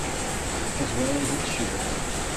As well as its sugar.